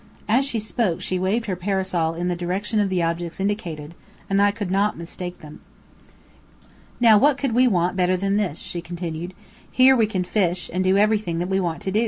as she spoke she waved her parasol in the direction of the objects indicated, and I could not mistake them. "Now what could we want better than this?" she continued. "Here we can fish, and do everything that we want to.